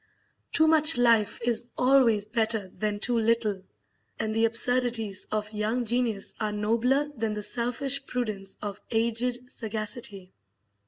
Too much life is always better than too little, and the absurdities of young genius are nobler than the selfish prudence of aged sagacity.